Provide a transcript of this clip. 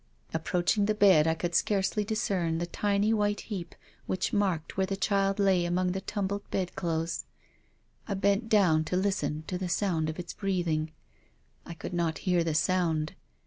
Approaching the bed I could scarcely discern the tiny white heap which marked where the child lay among the tumbled bed clothes. I bent down to listen to the sound of its breathing. I could not hear the sound.